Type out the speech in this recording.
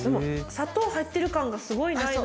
砂糖入ってる感がすごいないのが。